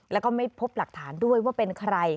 แล้วก็ไม่พบหลักฐานด้วยว่าเป็นใคร